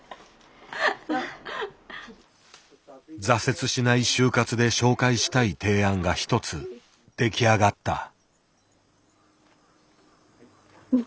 「挫折しない終活」で紹介したい提案が一つ出来上がった。